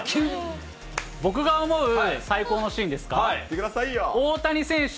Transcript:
僕が思う最高のシーンですか。